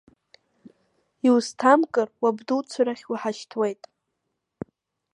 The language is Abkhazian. Иузҭамкыр уабдуцәа рахь уҳашьҭуеит.